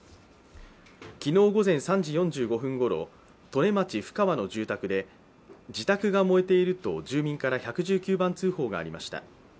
昨日午前３時４５分ごろ利根町布川の住宅で自宅が燃えていると住民から１１９番通報がありました。